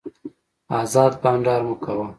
ازاد بانډار مو کاوه.